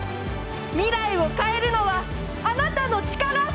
未来を変えるのは、あなたの力！